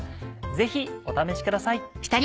ぜひお試しください。